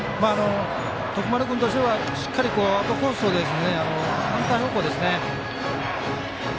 徳丸君としては、しっかりアウトコースを反対方向ですね。